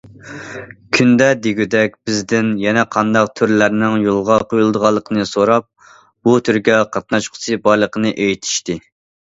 كۈندە دېگۈدەك بىزدىن يەنە قانداق تۈرلەرنىڭ يولغا قويۇلىدىغانلىقىنى سوراپ، بۇ تۈرگە قاتناشقۇسى بارلىقىنى ئېيتىشتى.